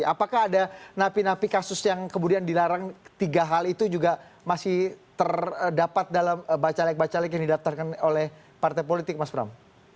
apakah ada napi napi kasus yang kemudian dilarang tiga hal itu juga masih terdapat dalam bacalek bacalek yang didaftarkan oleh partai politik mas bram